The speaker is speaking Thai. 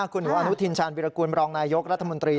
คุณหนูอนุทินชาญวิรากูลรองนายยกรัฐมนตรี